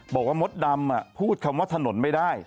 บอกว่ามดดำอ่ะพูดคำว่าถนนไม่ได้